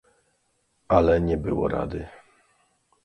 "Ale nie było rady."